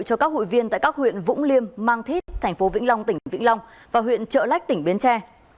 cho các hội viên tại các huyện vũng liêm mang thít tp vĩnh long tỉnh vĩnh long và huyện trợ lách tỉnh bến tre